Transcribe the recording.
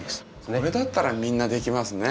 これだったらみんなできますね。